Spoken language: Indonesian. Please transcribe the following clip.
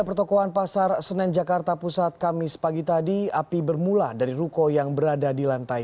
pertokohan pasar senen jakarta pusat kamis pagi tadi api bermula dari ruko yang berada di lantai